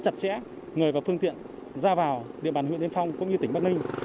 chặt chẽ người và phương tiện ra vào địa bàn huyện yên phong cũng như tỉnh bắc ninh